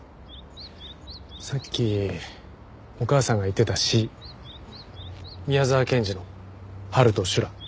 さっきお母さんが言ってた詩宮沢賢治の『春と修羅』。